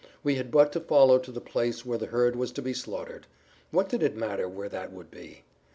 We had but to follow to the place where the herd was to be slaughtered; what did it matter where that would be?